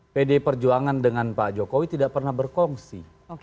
pdi perjuangan dengan pak jokowi tidak pernah berkongsi